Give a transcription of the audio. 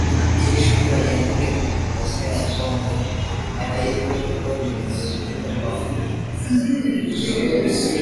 Jeshi la Jamhuri ya kidemokrasia ya Kongo hata hivyo linasisitiza kwamba “wanajeshi hao wawili ni wanajeshi wa Rwanda na kwamba kamanda wao ni Luteni Kanali.